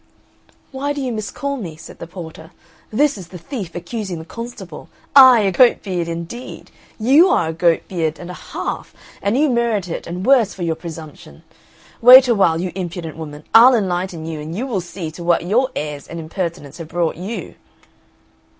"Why do you miscall me?" said the porter. "This is the thief accusing the constable. I a goat beard indeed! You are a goat beard and a half, and you merit it and worse for your presumption. Wait awhile, you impudent woman; I'll enlighten you and you will see to what your airs and impertinence have brought you!"